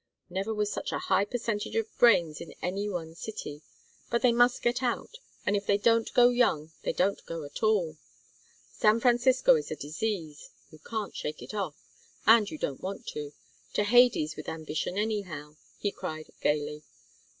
Never was such a high percentage of brains in any one city. But they must get out. And if they don't go young they don't go at all. San Francisco is a disease. You can't shake it off. And you don't want to. To Hades with ambition anyhow," he cried, gayly.